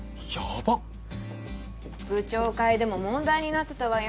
ばっ部長会でも問題になってたわよ